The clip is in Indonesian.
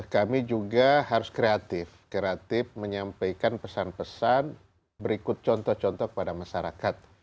kami juga harus kreatif kreatif menyampaikan pesan pesan berikut contoh contoh kepada masyarakat